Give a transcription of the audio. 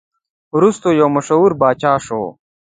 وروسته یو مشهور پاچا شو.